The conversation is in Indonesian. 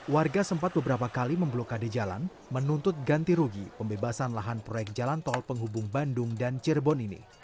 warga sempat beberapa kali memblokade jalan menuntut ganti rugi pembebasan lahan proyek jalan tol penghubung bandung dan cirebon ini